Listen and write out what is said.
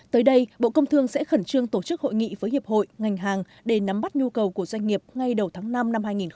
tới đây bộ công thương sẽ khẩn trương tổ chức hội nghị với hiệp hội ngành hàng để nắm bắt nhu cầu của doanh nghiệp ngay đầu tháng năm năm hai nghìn hai mươi